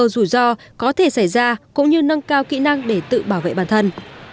rủi ro có thể xảy ra cũng như nâng cao kỹ năng để tự bảo vệ bản thân